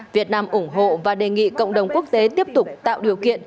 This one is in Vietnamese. việt nam ủng hộ và đề nghị cộng đồng quốc tế tiếp tục tạo điều kiện